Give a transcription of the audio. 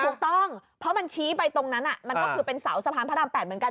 ถูกต้องเพราะมันชี้ไปตรงนั้นมันก็คือเป็นเสาสะพานพระราม๘เหมือนกัน